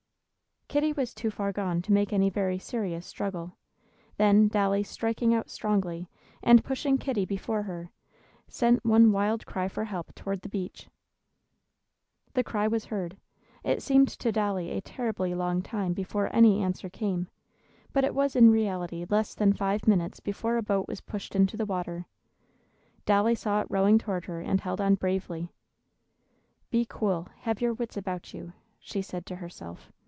Kitty was too far gone to make any very serious struggle. Then Dolly, striking out strongly, and pushing Kitty before her, sent one wild cry for help toward the beach. The cry was heard. It seemed to Dolly a terribly long time before any answer came, but it was in reality less than five minutes before a boat was pushed into the water. Dolly saw it rowing toward her, and held on bravely. "Be cool; have your wits about you," she said to herself.